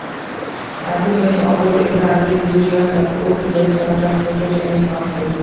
Amplifiers operate in the active region, where both device current and voltage are non-zero.